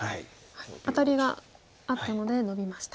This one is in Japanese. アタリがあったのでノビました。